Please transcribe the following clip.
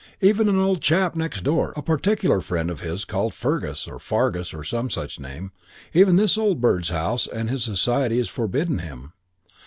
Even an old chap next door, a particular friend of his called Fungus or Fargus or some such name even this old bird's house and his society is forbidden him.